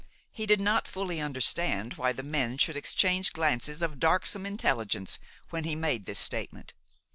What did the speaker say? He did not fully understand why the men should exchange glances of darksome intelligence when he made this statement.